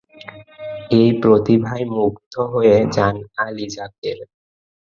এই প্রতিভায় মুগ্ধ হয়ে যান আলী যাকের।